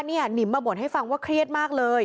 หนิมมาบ่นให้ฟังว่าเครียดมากเลย